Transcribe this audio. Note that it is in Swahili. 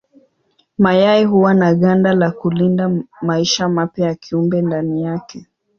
Mayai huwa na ganda ya kulinda maisha mapya ya kiumbe ndani yake.